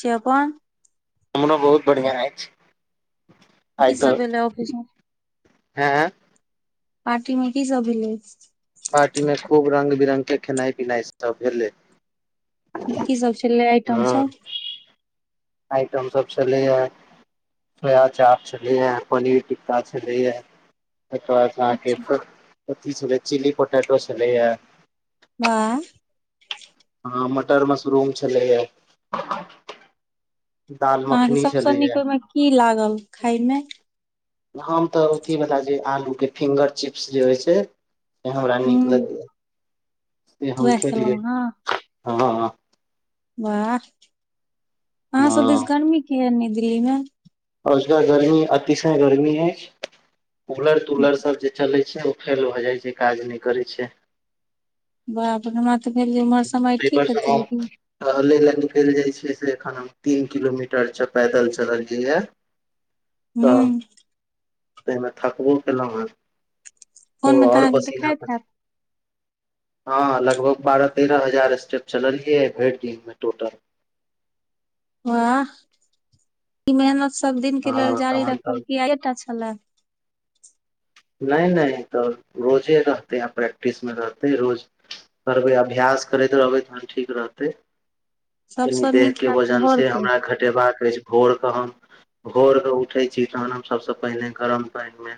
से पन हमरो बहुत बढ़िआँ अछि। आइ की तऽ सब एलै ऑफिस म हैं पार्टी मे की सब भेलै। पार्टीमे खूब रङ्ग बिरङ्गके खेनाइ पिनाइ सभ भेलै। की सब छलै आइटम हँ सब। आइटम सब चलैए सोया चाप छलै या पनीर टिक्का छलै हय ओकर बाद अहाँके अच्छा अथि छलै चिली पोटैटो छलैए। वाह हँ मटर मशरूम छलैएा दाल अहाँके मखनी सबस नीक छलैया ओहिमे की लागल खाय मे हम तऽ अथी वाल जे आलू के फिंगर चिप्स जे होइ छै से हमरा हूं नीक लगैया से हम वैह खेलौं खेलिये अहाँ हँ हँ वाह अहाँ सब हँ दिस गर्मी के ह ने हय दिल्ली मे अजोका गर्मी अतिशय गर्मी है कूलर तूलर सब जे चले छै ओ फेल भ जाय छै काज नहि करै छै बाप हमरा तऽ भेल जे उम्हर समय ठीक हेतै लेकिन त लय लए निकलि जाइ छिय से एखन हम तीन किलोमीटर च पैदल चललिय हूं तऽ ताहिमे थक्बो कयलहुँ हेँ त फोन मे तऽ आओर अहाँके पसीना देखाइत पड़ हैत हँ लगभग बारह तेरह हजार स्टेप चलियै भरि दिन छगेमे टोटल वाह ई मेहनत सब दिन के लेल हँ जारी तहन रखब तऽ किया आयएटा छले नहि नहि तऽ रोजे रहतै आ प्रैक्टिसमे रहतै रोज करबै अभ्यास करैत रहबै तहन ठीक रहतै कनि सबसँ देह नीक के हैत वजन भोर से के हमरा घट गबक अछि भोर के हम भोर के उठे छी तहन हम सबस पहिने गरम पानि मे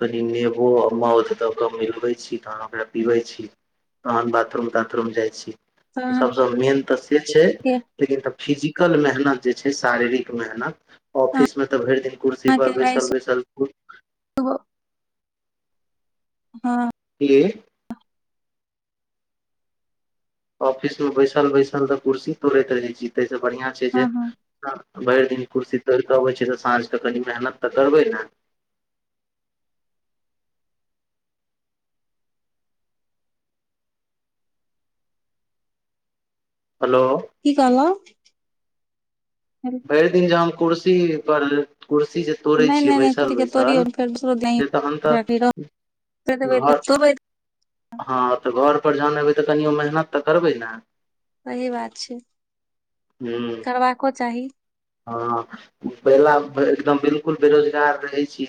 कनि नेबो आ मौध दऽ कऽ मिलबै छी तहन ओकरा पीबैत छी तहन बाथरूम ताथरूम जाइ छी तऽ अहाँके सभसँ मेन तऽ से छै लेकिन त फिजिकल मेहनत जे छै शारीरिक मेहनत ऑफिस में तऽ भरि दिन अहाँके कुर्सिपर आइ बैसल बैसल सुबह हँ [inaudible] ऑफिसेमे बैसल बैसल तऽ कुर्सी तोड़ैत रहै छी ताहिसँ बढ़िआँ छै हँ जे हँ भायिर दिन कुर्सी तोड़ कऽ अबै छै तऽ साँझ तऽ कनि मेहनत तऽ करबै ने हेलो की कहल ह बे दिन जाम कुर्सी पर कुर्सी जे तोड़ै नहि छियै नहि नहि बैसल कड़ी के तोड़ियौ बैसल फेर दसरो से तहन तऽ द घर रह हँ तऽ घर परर जहान एबै तऽ कनि मेहनत तऽ करबै ने सही बात छै ह करबाको चाही हँ पहिला एकदम बिलकुल बेरोजगार रहै छी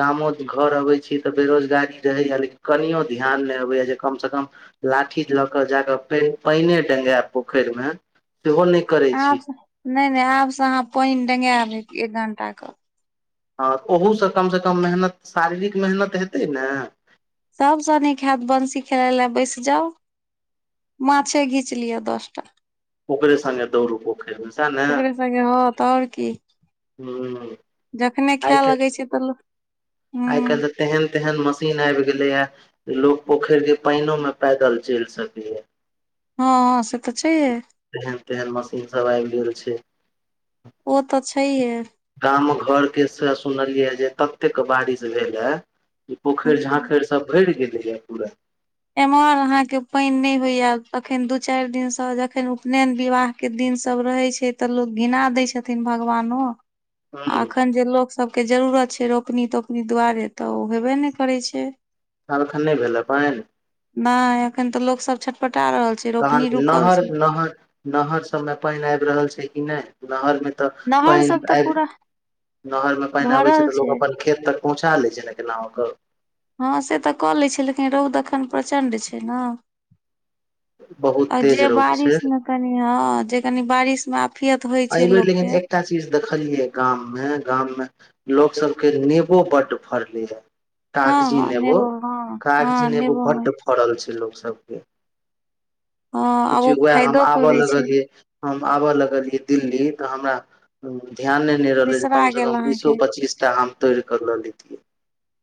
गामो घर अबैत छी तऽ बेरोजगारी रहैए लेकिन कनियो ध्यान नहि अबैए जे कमसँ कम लाठी लऽ के जााके पानने डेंगाय पोखरि मे सेहो नहि करै छी आब नहि नहि आबसँ अहाँ पानि डेंगायब एक घण्टाके हँ ओहूसँ कमसँ कम मेहनत शारीरिक मेहनत हेतै ने सभ सनीक हत बंसी खेलाय लए बैस जाउ माछे घीच लियअ दस टा ओकरे सगे दौड़ू पोखरि बझ ने ह त आओर की ह जखने आइ खाय काल्हि लगै छै तऽ हूं आइ हँ काल्हि तऽ तेहन तेहन मशीन आबि गेलैए लोकग पोखर के पानिोमे पैदल चलि सकैए हँ से तऽ छैे तेहन तेहन मसिन सब आबि गेल छैय ओ तऽ छैहे गाम घरके से सुनलियै जे ततेक बारिश भेल हए ई पोखर हूं झाखर सब भरि गेलै ये पूरा एम्हर अहाँ के पानि नहि होइयल तखन दू चारि दिन से जखन उपनयन विवाह के दिन सब रहै छै तऽ लोक घिना दै छथिन भगवानो आ ह अखन जे लोक सभके जरूरत छै रोपनी तोपनी दुआरे तऽ ओ होेबे नहि करै छै। तब एखन नहीं भेल हन पानी नहि एखन तऽ लोकसब छटपटा रहल छैय तहन नहर नहर नहर सबमे पानि आबि रहल छै कि नहि नहर मे। तऽ नहर पानि सब तऽ आब पूरा नहर मे पानि आबै छै तऽ लोग अपन। खेत तक पहुँचा ले छै ने केना हुं के हँ से तऽ कऽ लै छै लेकिन रौद एखन प्रचण्ड छै ने। बहुत तेज जे रौद बारिश छै मे कनि ह जे कनि बारिश मे। आफियत होइ छै एहिबेर लोक के लेकिन एकटा चीज देखलियै गाममे गाममे। लोकोग सब के नेबो बढ फ रले या। हँ कागजी हँ नेबो हँ हँ कागजी नेबो मे बड्ड फड़ल छै लोकग सबके। हँ आब ओ सोचिय वैहम फायदो आबऽ करै छै लगलिय। हम आबय लगलियै दिल्ली तऽ हमरा ध्यान नहि। नहि रहले बिसरा कम से गेल कम बीसो अहाँके पच्चीस टा हम तोड़ कर ले लतिियै।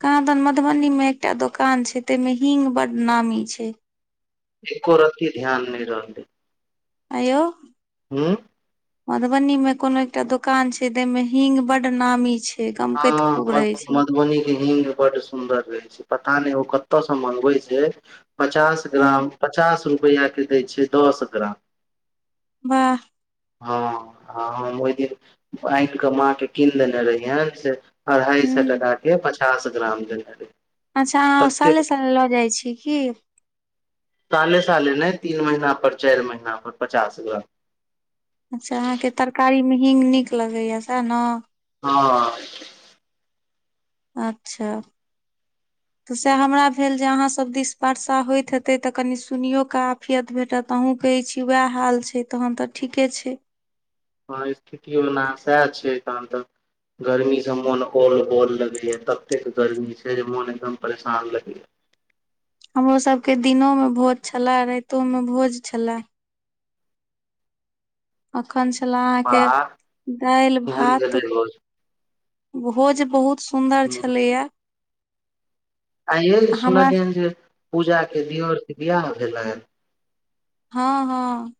कहा दन मधुबनी में एकटा दकान छै ते में हींग बड नामी छै। एको रति ध्यान नहि रहलै। आयो। हूँ मधुबनी में कोनो एकटा दुकान छै तय में हींग बढ नामी छै। गमकैत खूब हँ रहै छै मधुबनी के हींग बढ सुन्दर रहै छै पता नहि ओ कतयसँ मगबै छै। पचास हँ ग्राम पचास रुपैआ के दै छै दस ग्राम। वाह। हँ हम ओहि दिन आनि कऽ माँके कीन देने रहियन से। अढ़ाइ सए हूँ टकाके पचास ग्राम देने रहे अच्छा अहाँ ततेक साले साले लऽ जाइत छी कि साले साले नहि तीन महीना पर चारि महीना पर पचास ग्राम अच्छा अहाँके तरकारी मे हींग नीक लगैएा सएह ने। हँ। अच्छा। [inaudible] [inaudible] तऽ सह हमरा भेल जे अहाँ सब दिसबर्शा होइत हेते तऽ कनि सुनियो क आफियत भेटत। त अहूँ कहै छी उएह हाल छै तहन तऽ ठीके छै। हँ स्थिति ओना सएह छै तहन त गर्मी से मोन औल बोल लगेया तबते गर्मी छै जे मोन एकदम परेशान लगे या। हमरोसभके दिनोमे भोज छलए राइतोमे भोज छलए। अखन छलए अहाँके वाह दालि केहन भात। भेलै भोज बहुत सुन्दर रोज छलैया। आ यह हमरा सुनलियन जे पूजा के दर से बिियाह भेलनि। हँ हँ।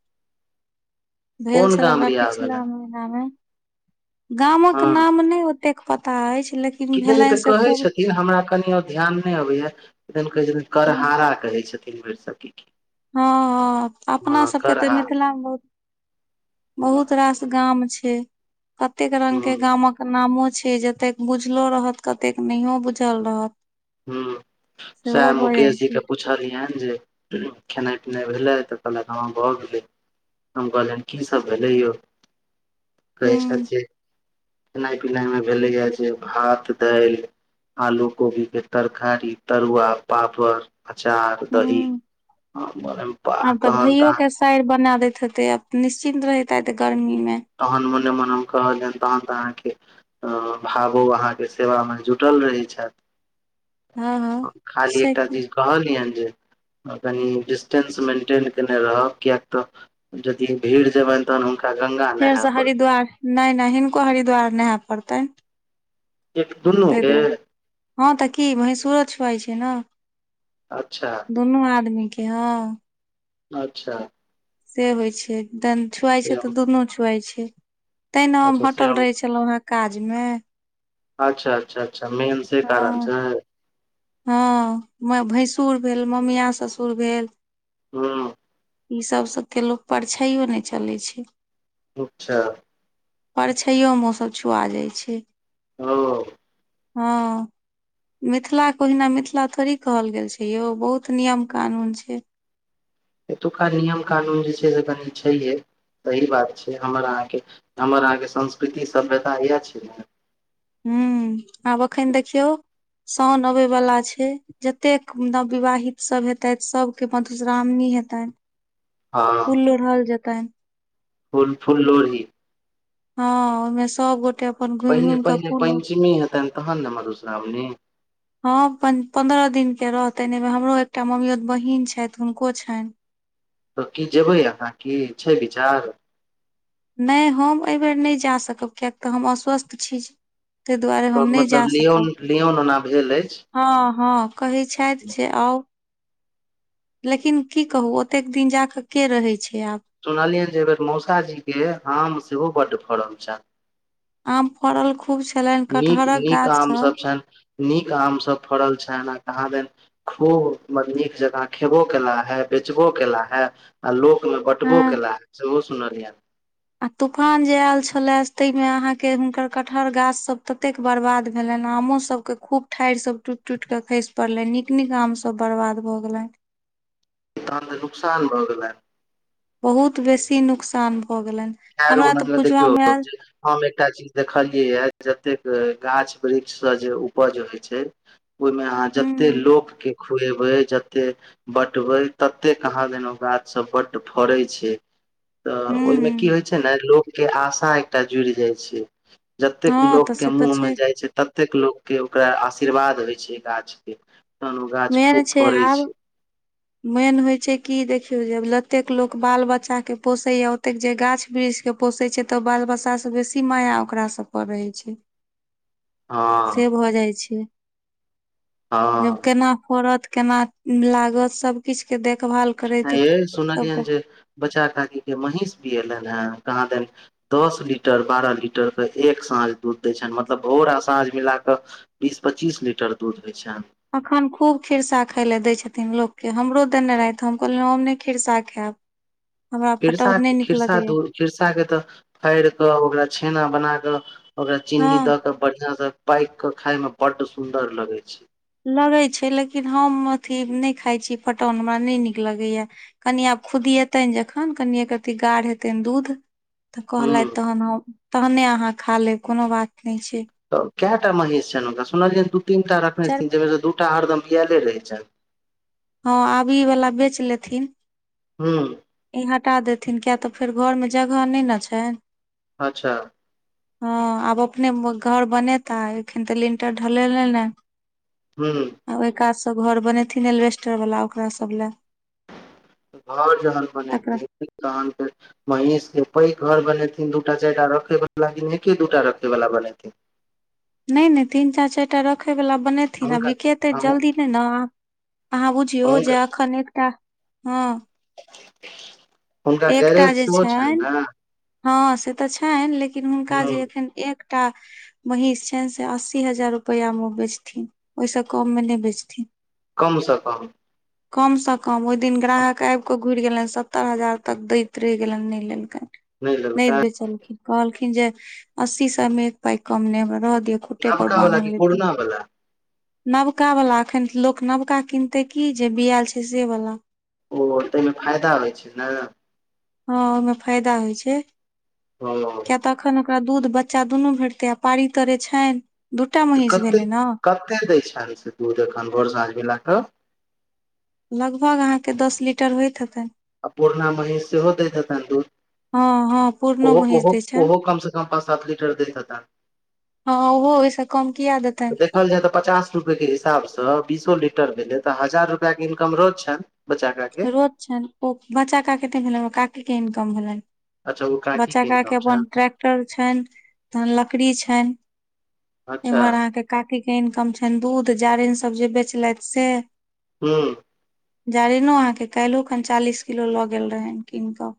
भेल कोन छले गाम ह बियाह पिछला भेलनि मे। [unintelligible] गामक हँ नाम नै ओतेक पता अछि लेकिन। किदैन भेलनि तऽ से कहै छ। खूब लेकिन हमरा कनि आ ध्यान नै अबैया कहै छथिन हँ करहहारा कहै छथिन भैरसक हँ हँ अपना सबके तऽ मिथिला मे हँ बहुत रास। गाम छै अतेक रंग के गामक। नामो छै जतेक बुझलो रहत कतेक नहियो बुझल रहत। ह सेह सेहो भऽ मुकेश जाइ जी छै के पुछ। पुछलियैन जे खेनाइ पिनाइ भेलै तऽ कहल हां भऽ गेलै हम कहलियनि की सब भेलय यौ कहे हूँ छैथ जे खेनाइ पिनाय में भेले या जे भात दैल आलू कोबी के तरकारी तरुआ पापड़। अचार दही हूँ आ [unintelligible] पैर बना देैत हेताइ आब निश्चिन्त रहैत हेतै गर्मी में तहन मने मन हम कहलियैन तहन त अहाँके हो भावो अहाँके सेवा मे जुटल रहै छैथ हँ हँ खाली से एकटा की चीज कहलियैन जे कनि डिस्टेंस मेंटेन केने रहब किएक त यदि भीड़ जेबैन तहन हुनका गंगा फेर नहाय से पड़त हरिद्वार नै नै हिनको हरिद्वार नहे परतैन एक दुनू के हँ तऽ की भैंसुरो छुआइ छै ने अच्छा दुनू आदमी के ह अच्छा से होइ छै तन छुआइ छै तऽ दुनू छुआय छै तैना हम अच्छा से हटल रहै छलहुँ हे काज में अच्छा अच्छा अच्छा मेन से कारण हँ छै हँ मय भैंसुर भेल ममिया ससुर भेल हँ ई सभ सभके लोक परछाइयो नै चलैय छय अच्छा परछैयो मे ओ सभ छुआ जाइ छै ओ हँ मिथिला ओहिना मिथिला थोड़ी कहल गेल छै यौ बहुत नियम कानून छै एतुका नियम कानून जे छै से कनी छैहे सही बात छै हमर अहाँके हमर अहाँके संस्कृति सभ्यता येह छै ने हुॅं आब एखन देखियौ सओन अबै वला छै जतेक नवविवाहित सभ हेतैथत सभके मधुश्राावणी हेतनि हँ फुल लोरल जेतैन फूल फूल लोढ़ी हँ ओहिमे सब गोटे अ पहिने पहिने पञ्चमी हेतैन तहन ने मधुश्रावणी हँ पन्द्रह दिन के रहतनि एहि हमरो एकटा मम्मियोत बहिन छथि हुनको छनि त की जेबै अहाँ की छै विचार नहि हम एहिबेर नहि जा सकब किएक तऽ हम अस्वस्थ छी जे त मतलब लियोन लियोन ओना भेल अछि हँ हँ कहै छथि जे आउ लेकिन की कहू ओतेक दिन जा क के रहैत छै आब सुनलियनि जे एहि बेर मौसाजी के आम सेहो बड्ड फड़ल छै आम फड़ल खूब छलनि छनि नीक कटहरक नीक गाछ आम सब छनि नीक आम सभ फड़ल छनि आ कहां दन खूब मत नीक जकाँ खेबो केला हे बेचबो केला हे आ लोक मे बटबो हँ केला सेहो सुनलियन आ तूफान जे आयल छले ताहि मे अहाँके हुनकर कठहर गाछ सब ततेक बर्बाद भेलनि आमो सब के खूब ठाढ़ि सब टूटि टूटि के खसि पड़लन्हि नीक नीक आम सब बर्बाद भ गेलनि तहन त नुकसान भ गेलैन बहुत बेसी नुकसान भऽ गेलनि हर हमरा ओना तऽ तरा पूजबा देखियौ। मे आयल हम एकटा चीज देखलियै ये जतेक गाछ वृक्ष से जे उपज होइ छै ओहिमे अहाँ हूँ जतेक लोकके खुएबै जते बटबै तते कहांदन ओ गाछ सब बड फड़ै छै तऽ हूँ ओहिमें की हूँ होय छै ने लोग के आशा एकटा जुड़ि जाय छै। जतेक हँ तऽ लोक के से तऽ मुँह मे जाइ छै। ततेक लोकके ओकरा आशीर्वाद होइ छै गाछके तहन ओ गाछ मेन खूब फड़ै आब छै। [inaudible] [unintelligible] मेन होय छै की देखियो जे जतेक लोक बाल बच्चा के पोसे या ओते जे गाछ वृक्ष के। पोसैत छै तऽ बाल बच्चासँ बेसी माया ओकरासबप रहै छै। [unintelligible] से भऽ जाइ छै। हँ। जब केना फड़त केना लागत सबकिछ के देखभाल। करैत आंय यै सबटा सुनलियनि जे बचार काकी के महींष बिये लनि हे कहाँ दनि। दस लीटर बारह लीटर के एक साँझ दूध दै छनि मतलब भोरा आ साँझ मिला के। बीस पच्चीस लीटर दूध होइ छनि। अखन खूब खिरसा खाय ले दै छथिन लोकके हमरो देने रहथि हम कहलिय हम नहि खिरसा खायब। हमरा खिरसा फटौन नहि नीक खिरसा लगैया। दूध खिरसा के तऽ फाड़ि कऽ ओकरा छेना बना कऽ ओकरा चीन्नी दऽ हँ कऽ बढ़िऑं से। पैक के खाय में बड सुंदर लगे छै। लगैत छै लेकिन हम अथि नहि खाइत छी फटौन हमरा नहि नीक लगैए। कनि आब खुदिएतनि जखन कनिए रति गाढ़ हेतनि दूध। तऽ हूं कहलथि तहन तहने अहाँ खा लेब कोनो बात नहि छै। तऽ कएटा महीष छनि हुनका सुनलियअनि दू तीन टा रखने चल छथिन जाहिमेसँ दूटा हरदम बियाएले रहै छनि। हँ आब ई वला बेच लेथिन। हू। ई हटा देथिन किएक तऽ फेर घरमे जगह नहि न छनि। अच्छा। हँ आब अपने घर बनेता एखन तऽ लिंलटर ढलेल हने। हूँ आ ओहि काज से घर बने थिन एलवेस्टर वाला ओकरा सब लए [inaudible] तकरा महीष के पैघ घर बनेथिन दू टा चाइर टा रखे वाला लिन एके दू टा रखे वाला बनेथिन नय नय तीन चारि चारि टा रखयवला बनेथिन आ हुनका बिकेतै हम- जल्दी नय ने आब अहाँ बुझियौ हुनका जे एखन एकटा हँ हुनका एकटा गैरेज जे सेहो छनि छैन ने हँ से तऽ छैन लेकिन हुनका ह जे एखन एक एकटा महीष छैन से अस्सी हजार रुपैआ मे बेचथिन ओहिस कममे नय बेचथिन कमसँ कम कमसँ कम ओइ दिन ग्राहक आइब कऽ घुरि गेलनि सत्तरि हजार तक दैत रहि गेलनि नहि लेलकनि नहि नय लेलकै बेचलखिन कहलखिन जे अस्सी सए मे एक पाइ कम नय रह दियौ खुटे पर नबका वाला कि बान्नल तऽ पुरना वाला नवकावला एखन लोक नवका किनतै की जे बियाएल छै से वला ओ ताहिमे फायदा होइ छै ने हँ ओए मे फायदा होइ छै हँ किया एखन ओकरा दूध बच्चा दुनू भेटतै आ पाड़ी तरे छैन तऽ कतै कतै दै छैन से दूध एखन भर साँझ मिला कऽ लगभग अहाँके दस लीटर होइत हतै आ पुरना महीस सेहो दैत हेतैन दूध हँ हँ पू ओहो ओहो ओहो कम से कम पाँच सात लीटर दैत हेतेन हँ ओहो ओहिस कम किया देतय तऽ देखल जाय तऽ पचास रुपै के हिसाबसँ बीसो लीटर भेलै तऽ हजार रुपैया के इनकम रोज छैन बचा [unintelligible] रोज छैन ओ बचा का केते भेलैन ओ काकी के इनकम भेलैन अच्छा ओ काकी बच्चा का के इनकम छनि अपन ट्रैक टल छैन तऽ लकड़ी छैन अच्छा इम्हर अहाँ के काकी के इनकम छैन दूध जारैन सब जे बेचलथिन से हूँ जारैनो अहाँके काल्हो खन चालीस किलो लऽ गेल रहे कीन कऽ